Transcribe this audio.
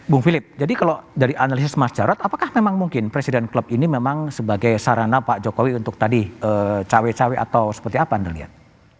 bung philip jadi kalau dari analisis mas jarod apakah memang mungkin presiden klub ini memang sebagai sarana pak jokowi untuk tadi cawe cawe atau seperti apa anda lihat